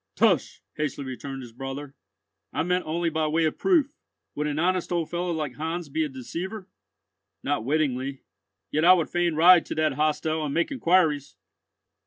"Tush!" hastily returned his brother, "I meant only by way of proof. Would an honest old fellow like Heinz be a deceiver?" "Not wittingly. Yet I would fain ride to that hostel and make inquiries!"